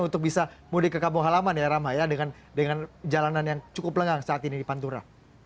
untuk bisa mudik ke kampung halaman ya rama ya dengan jalanan yang cukup lengang saat ini di pantura